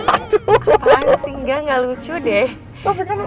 apaan sih enggak gak lucu deh